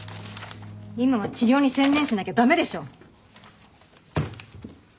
今は治療に専念しなきゃ駄目でしょう！